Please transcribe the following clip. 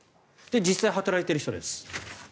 実際に働いている人です。